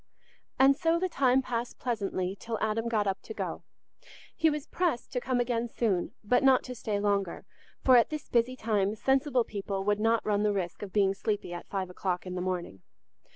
And so the time passed pleasantly till Adam got up to go. He was pressed to come again soon, but not to stay longer, for at this busy time sensible people would not run the risk of being sleepy at five o'clock in the morning.